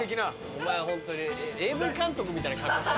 お前ホントにＡＶ監督みたいな格好するなよ。